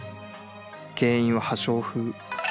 ［原因は破傷風。